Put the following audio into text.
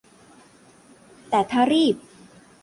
แต่ถ้ารีบ